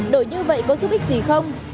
đổi như vậy có giúp ích không